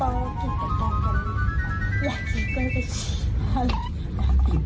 อยากกินก้วยกับชีอาหารอยากกินกับกลางกับหลีป่อ